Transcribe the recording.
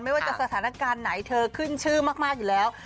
ไม่ว่าจะสถานการณ์ไหนเธอขึ้นชื่อมากอยู่แล้ว